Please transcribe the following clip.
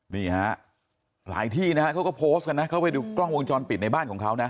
นี่ฮะหลายที่นะฮะเขาก็โพสต์กันนะเขาไปดูกล้องวงจรปิดในบ้านของเขานะ